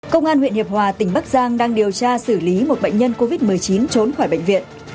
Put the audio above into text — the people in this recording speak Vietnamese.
công an huyện hiệp hòa tỉnh bắc giang đang điều tra xử lý một bệnh nhân covid một mươi chín trốn khỏi bệnh viện